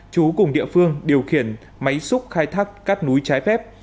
chú cùng địa phương điều khiển máy xúc khai thác cát núi trái phép